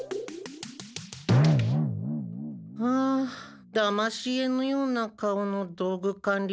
あだまし絵のような顔の道具かん理